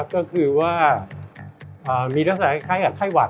ก็คือว่ามีรสไข้กับไข้หวัด